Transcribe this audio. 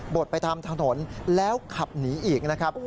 ดไปตามถนนแล้วขับหนีอีกนะครับ